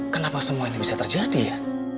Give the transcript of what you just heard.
kenapa semua ini bisa terjadi ya